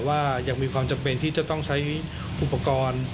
การเดินทางไปรับน้องมินครั้งนี้ทางโรงพยาบาลเวทธานีไม่มีการคิดค่าใช้จ่ายใด